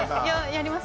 「やります？」